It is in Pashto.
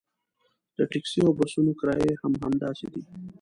د ټکسي او بسونو کرایې هم همداسې دي.